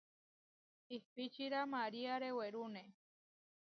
Ipíčira maria rewerúne.